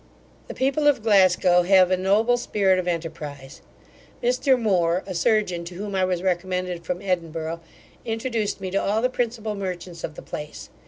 The people of Glasgow have a noble spirit of enterprise Mr Moore, a surgeon, to whom I was recommended from Edinburgh, introduced me to all the principal merchants of the place.